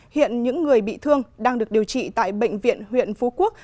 hiện những người bị thương đang được điều trị tại bệnh viện huyện phú quốc